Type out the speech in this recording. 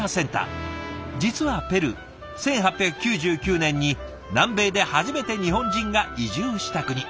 実はペルー１８９９年に南米で初めて日本人が移住した国。